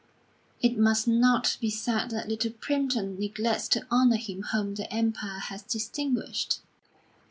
It must not be said that Little Primpton neglects to honour him whom the Empire has distinguished."